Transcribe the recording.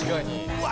うわ！